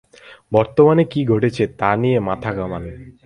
বর্তমানে কী ঘটছে তা নিয়ে মাথা ঘামান।